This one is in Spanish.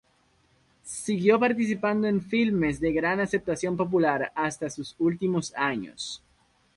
Siguió participando en filmes de gran aceptación popular hasta sus últimos años.